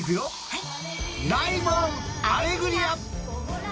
はい。